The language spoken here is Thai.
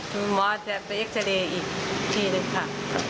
หมอจะไปเอ็กเจรอีกทีเลยค่ะ